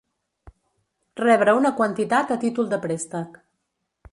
Rebre una quantitat a títol de préstec.